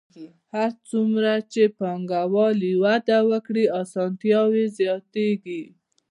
هر څومره چې پانګوالي وده وکړي اسانتیاوې زیاتېږي